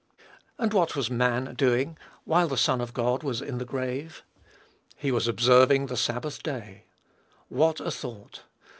And what was man doing while the Son of God was in the grave? He was observing the Sabbath day! What a thought!